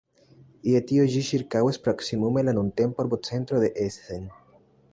Je tio ĝi ĉirkaŭis proksimume la nuntempan urbocentron de Essen.